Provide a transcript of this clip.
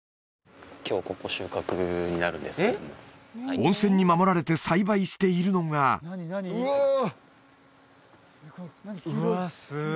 温泉に守られて栽培しているのがうわ！